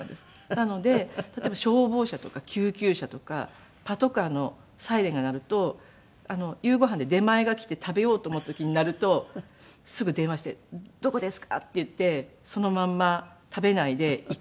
なので例えば消防車とか救急車とかパトカーのサイレンが鳴ると夕ご飯で出前が来て食べようと思った時に鳴るとすぐ電話して「どこですか？」って言ってそのまんま食べないで行くみたいな。